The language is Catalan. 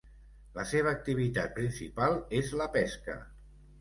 La seva activitat principal és la pesca.